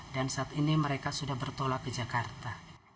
dan saat ini mereka sudah bertolak ke jakarta